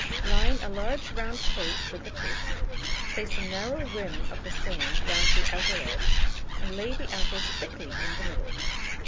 Line a large round plate with the paste, place a narrow rim of the same round the outer edge, and lay the apples thickly in the middle.